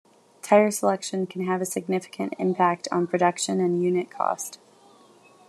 Tire selection can have a significant impact on production and unit cost.